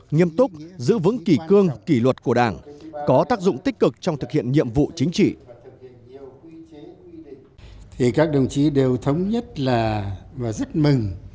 nghiêm túc giữ vững kỷ cương kỷ luật của đảng có tác dụng tích cực trong thực hiện nhiệm vụ chính trị